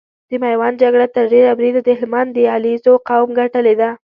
د ميوند جګړه تر ډېره بريده د هلمند د عليزو قوم ګټلې ده۔